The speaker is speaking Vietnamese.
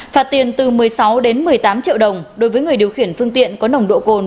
phạt tiền từ một mươi sáu đến một mươi tám triệu đồng đối với người điều khiển phương tiện có nồng độ cồn